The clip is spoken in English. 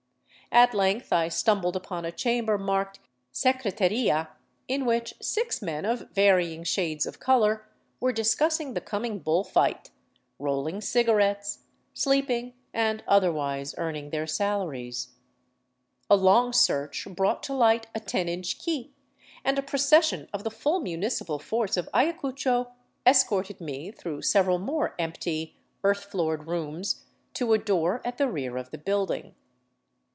At length I stumbled upon a chamber marked " Secretaria," in which six men of varying shades of color were discussing the coming bull fight, rolling cigarettes, sleep ing, and otherwise earning their salaries. A long search brought to light a ten inch key, and a procession of the full municipal force of Ayacucho escorted me through several more empty, earth floored rooms to a door at the rear of the building.